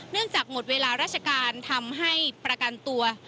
จากหมดเวลาราชการทำให้ประกันตัว